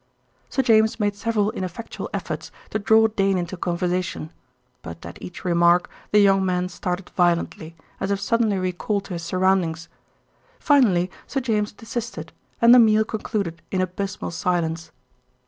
Sir James made several ineffectual efforts to draw Dane into conversation; but at each remark the young man started violently, as if suddenly recalled to his surroundings. Finally Sir James desisted, and the meal concluded in abysmal silence.